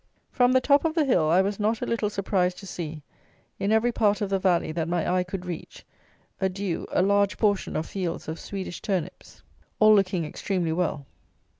From the top of the hill I was not a little surprised to see, in every part of the valley that my eye could reach, a due, a large portion of fields of Swedish turnips, all looking extremely well.